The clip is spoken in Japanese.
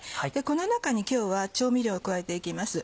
この中に今日は調味料を加えて行きます。